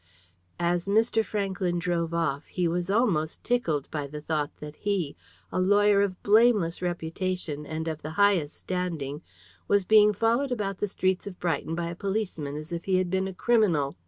As Mr. Franklyn drove off he was almost tickled by the thought that he, a lawyer of blameless reputation, and of the highest standing, was being followed about the streets of Brighton by a policeman as if he had been a criminal.